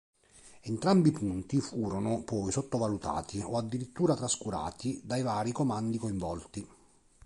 Entrambi i punti furono poi sottovalutati o addirittura trascurati dai vari comandi coinvolti.